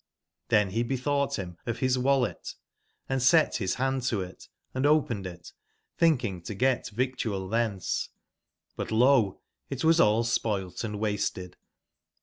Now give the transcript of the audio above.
"Cben be betbougbt bim of bis wallet, and set bis band to it and opened it, tbinking to get victual tbcnce; but lot it was all spoilt and wasted.